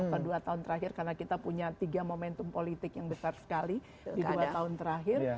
atau dua tahun terakhir karena kita punya tiga momentum politik yang besar sekali di dua tahun terakhir